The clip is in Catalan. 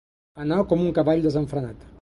Anar com un cavall desenfrenat.